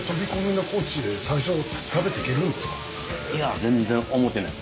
いや全然思ってない。